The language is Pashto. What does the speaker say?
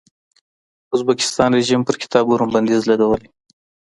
ازبکستان رژیم پر کتابونو بندیز لګولی.